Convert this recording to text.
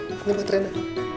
ini buat rina